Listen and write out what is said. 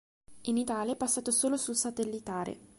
In Italia è passato solo sul satellitare.